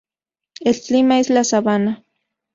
El clima es la sabana.